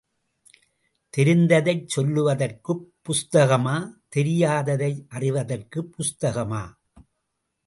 தெரிந்ததைச் சொல்லுவதற்குப் புஸ்தகமா, தெரியாததை அறிவதற்குப் புஸ்தகமா?